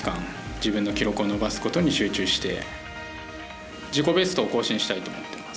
自分の記録を伸ばすことに集中して自己ベストを更新したいと思っています。